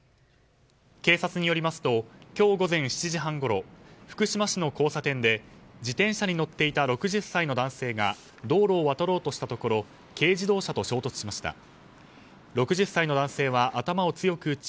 警察によりますと今日午前７時半ごろ福島市の交差点で自転車に乗っていた６０歳の男性が道路を渡ろうとしたところ軽自動車と衝突しました。